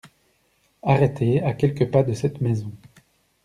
Arrêtée à quelques pas de cette maison.